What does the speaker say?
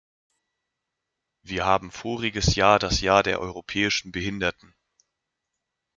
Wir haben voriges Jahr das Jahr der europäischen Behinderten.